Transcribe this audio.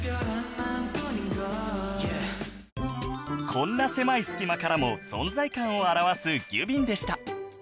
こんな狭い隙間からも存在感を現すギュビンでした